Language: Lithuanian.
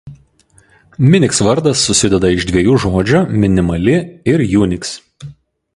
Minix vardas susideda iš dviejų žodžių "minimali" ir "Unix".